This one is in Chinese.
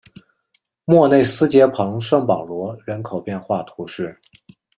莫内斯捷旁圣保罗人口变化图示